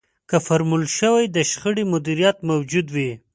که فورمول شوی د شخړې مديريت موجود وي.